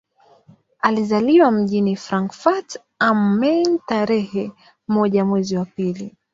Alizaliwa mjini Frankfurt am Main tarehe moja mwezi wa pili